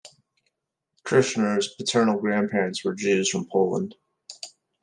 Kirshner's paternal grandparents were Jews from Poland.